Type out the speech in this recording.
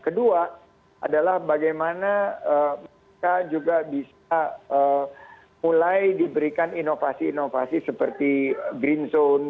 kedua adalah bagaimana mereka juga bisa mulai diberikan inovasi inovasi seperti green zone